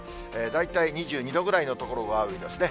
大体２２度ぐらいの所が多いですね。